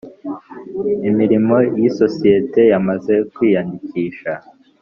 imirimo y isosiyete yamaze kwiyandikisha